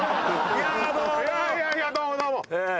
いやいやいやどうもどうも！